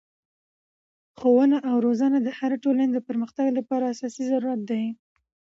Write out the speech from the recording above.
ښوونه او روزنه د هري ټولني د پرمختګ له پاره اساسي ضرورت دئ.